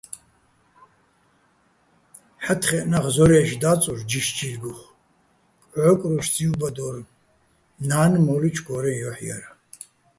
ჰ̦ა́თხეჸ ნახ ზორაჲში̆ და́წურ ჯიშ-ჯილგუხ, კჵო́კრუშაჭ ძივბადო́რ, ნა́ნ მო́ლუჩო̆ გო́რეჼ ჲოჰ̦ ჲარ.